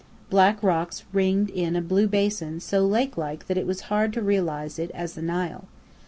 Black rocks ringed in a blue basin so lake like that it was hard to realize it as the Nile.